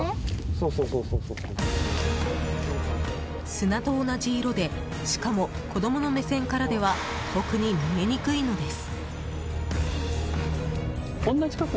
砂と同じ色でしかも、子供の目線からでは特に見えにくいのです。